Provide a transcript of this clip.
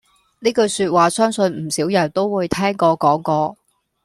呢句說話相信唔少人都會聽過講過